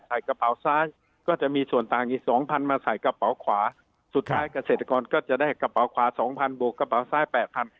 กระเป๋าซ้ายก็จะมีส่วนต่างอีกสองพันมาใส่กระเป๋าขวาสุดท้ายเกษตรกรก็จะได้กระเป๋าขวาสองพันบวกกระเป๋าซ้ายแปดพัน